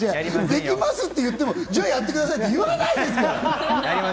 できますって言っても、じゃあ、やってくださいって言わないですから。